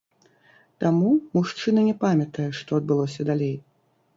Таму мужчына не памятае, што адбылося далей.